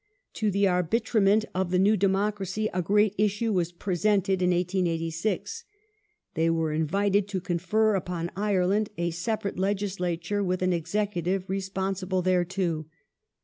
To the arbitrament of the new democracy a great issue was presented in 1886. They were invited to confer upon Ireland a separate Legislature with an Executive responsible thereto.